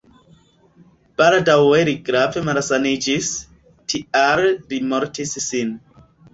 Baldaŭe li grave malsaniĝis, tial li mortis sin.